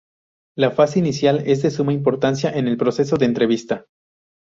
La fase inicial es de suma importancia en el proceso de entrevista.